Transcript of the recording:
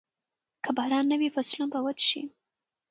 که باران نه وي، فصلونه به وچ شي.